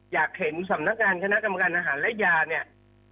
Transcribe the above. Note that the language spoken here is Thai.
อยากเห็นสำนักงานคณะกรรมการอาหารและยาเนี่ย